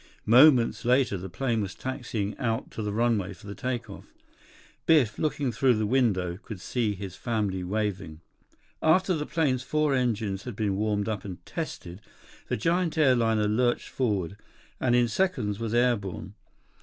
Moments later, the plane was taxiing out to the runway for the take off. Biff, looking through the window, could see his family waving. 21 After the plane's four engines had been warmed up and tested, the giant airliner lurched forward, and in seconds was air borne.